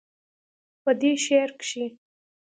پۀ دې شعر کښې